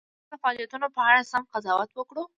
ترڅو د فعالیتونو په اړه سم قضاوت وکړو.